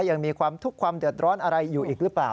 ยังมีความทุกข์ความเดือดร้อนอะไรอยู่อีกหรือเปล่า